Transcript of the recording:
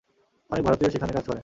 অনেক ভারতীয় সেখানে কাজ করেন।